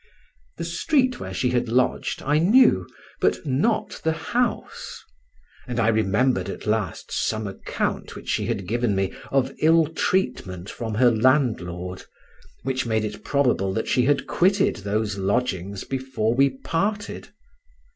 The street where she had lodged I knew, but not the house; and I remembered at last some account which she had given me of ill treatment from her landlord, which made it probable that she had quitted those lodgings before we parted.